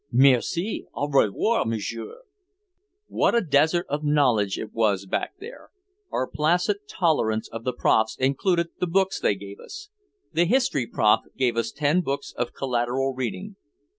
"Merci! Au revoir, monsieur!" What a desert of knowledge it was back there. Our placid tolerance of the profs included the books they gave us. The history prof gave us ten books of collateral reading.